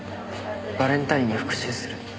バレンタインに復讐する。